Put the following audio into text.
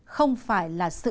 không phải là một đối tượng